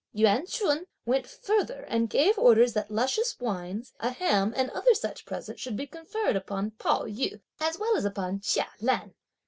Yuan Ch'un went further and gave orders that luscious wines, a ham and other such presents should be conferred upon Pao yü, as well as upon Chia Lan.